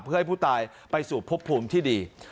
เพื่อให้ผู้ตายไปสู่พบภูมิที่ดี